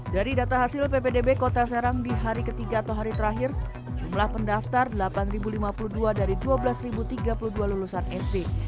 dari data hasil ppdb kota serang di hari ketiga atau hari terakhir jumlah pendaftar delapan lima puluh dua dari dua belas tiga puluh dua lulusan sd